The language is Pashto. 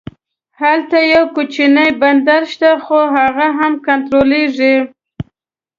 هلته یو کوچنی بندر شته خو هغه هم کنټرولېږي.